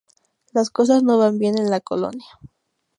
Las cosas no van bien en la colonia.